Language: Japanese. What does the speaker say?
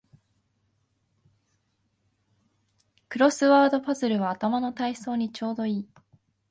クロスワードパズルは頭の体操にちょうどいい